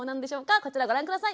こちらご覧下さい。